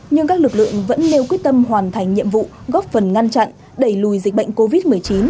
nhưng các lực lượng vẫn nêu quyết tâm hoàn thành nhiệm vụ góp phần ngăn chặn đẩy lùi dịch bệnh covid một mươi chín